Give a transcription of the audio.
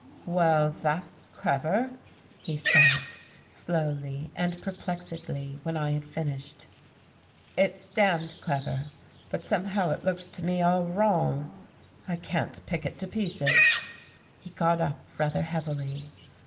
"Well, that's clever," he said, slowly and perplexedly, when I had finished. "It's damned clever, but somehow it looks to me all wrong. I can't pick it to pieces." He got up rather heavily.